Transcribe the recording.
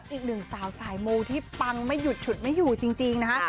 อีกหนึ่งสาวสายมูที่ปังไม่หยุดฉุดไม่อยู่จริงนะฮะ